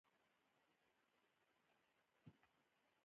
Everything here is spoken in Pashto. جډیجا په ټولو فرنچائز لیګونو کښي لوبېدلی.